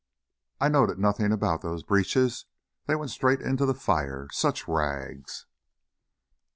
"I noted nothing about those breeches; they went straight into the fire! Such rags...."